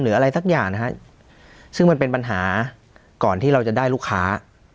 อะไรสักอย่างนะฮะซึ่งมันเป็นปัญหาก่อนที่เราจะได้ลูกค้า